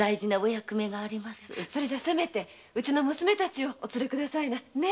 ではせめてうちの娘たちをお連れくださいな。